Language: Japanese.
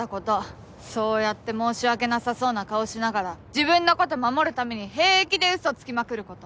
そうやって申し訳なさそうな顔しながら自分の事守るために平気で嘘つきまくる事。